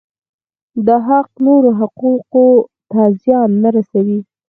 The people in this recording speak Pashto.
دا حق نورو حقوقو ته زیان نه رسوي.